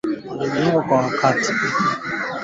kati ya wawakilishi wa Saudi Arabia na Iran